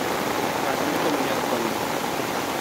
Francisco Muñoz Conde.